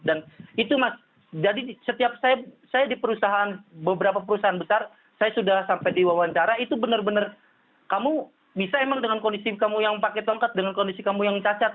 dan itu mas jadi setiap saya di perusahaan beberapa perusahaan besar saya sudah sampai di wawancara itu benar benar kamu bisa memang dengan kondisi kamu yang pakai tongkat dengan kondisi kamu yang cacat